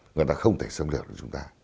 người ta không thể xâm lược được chúng ta